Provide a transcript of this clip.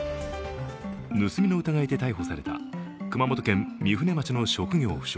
盗みの疑いで逮捕された熊本県御船町の職業不詳